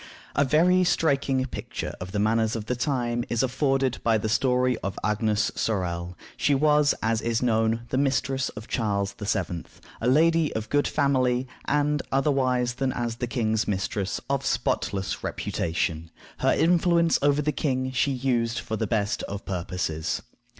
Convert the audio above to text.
A very striking picture of the manners of the time is afforded by the story of Agnes Sorel. She was, as is known, the mistress of Charles VII., a lady of good family, and, otherwise than as the king's mistress, of spotless reputation. Her influence over the king she used for the best of purposes.